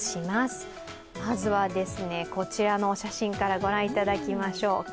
まずは、こちらの写真から御覧いただきましょう。